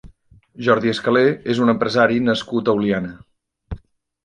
Jordi Escaler és un empresari nascut a Oliana.